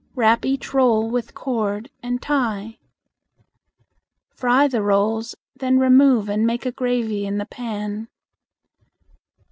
Wrap each roll with cord and tie. Fry the rolls, then remove and make a gravy in the pan.